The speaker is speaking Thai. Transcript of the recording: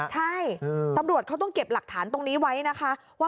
ใช่ตำรวจเขาต้องเก็บหลักฐานตรงนี้ไว้นะคะว่า